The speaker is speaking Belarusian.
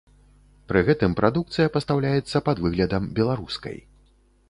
Пры гэтым прадукцыя пастаўляецца пад выглядам беларускай.